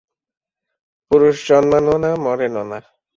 পুরুষ জন্মানও না, মরেনও না।